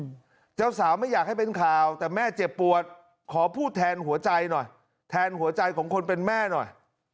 เจ้าสาวไม่อยากให้เป็นข่าวแต่แม่เจ็บปวดขอพูดแทนหัวใจหน่อยแทนหัวใจของคนเป็นแม่หน่อย